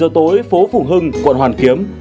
bảy h tối phố phủ hưng quận hoàn kiếm